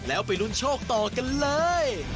แล้วไปลุ้นโชคต่อกันเลย